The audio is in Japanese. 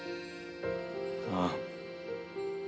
ああ。